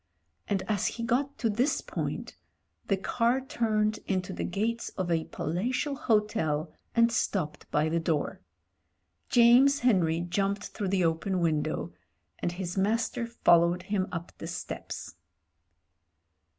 230 MEN, WOMEN AND GUNS And as he got to this point the car turned into the gates of a palatial hotel and stopped by the door. James Henry jumped through the open window, and his master followed him up the steps.